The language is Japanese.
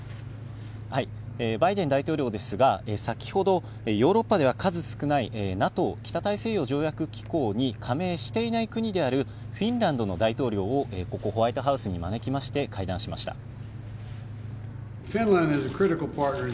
バイデン大統領ですが、先ほどヨーロッパでは数少ないＮＡＴＯ・北大西洋条約機構に加盟していない国であるフィンランドの大統領を、ここ、ホワイトハウスに招きまして、会談しました。